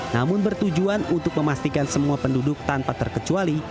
namun bertujuan untuk memastikan semua penduduk tanpa terkecuali